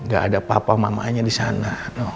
gak ada papa mamanya di sana